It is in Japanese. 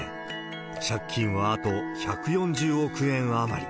借金はあと１４０億円余り。